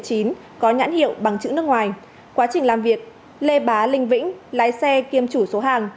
có nhãn hiệu bằng chữ nước ngoài quá trình làm việc lê bá linh vĩnh lái xe kiêm chủ số hàng